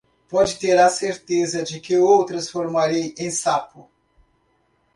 pode ter a certeza de que o transformarei em sapo.